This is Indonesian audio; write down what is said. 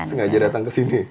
sengaja datang ke sini